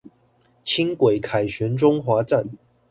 輕軌凱旋中華站